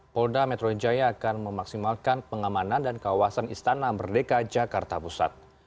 polda metro jaya akan memaksimalkan pengamanan dan kawasan istana merdeka jakarta pusat